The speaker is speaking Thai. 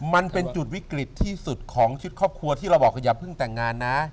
มันเป็นจุดวิกฤตที่สุดของชุดครอบครัวที่เราบอกว่าอย่าเพิ่งแต่งงานนะ